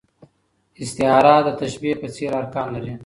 استعاره د تشبېه په څېر ارکان لري.